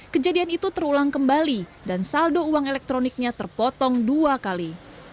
kejadian itu terulang kembali dan saldo uang elektroniknya terpotong dua kali